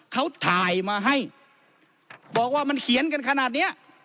เขาถ่ายมาให้บอกว่ามันเขียนกันขนาดเนี้ย